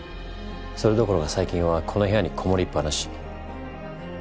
それどころか最近はこの部屋に籠もりっぱなし。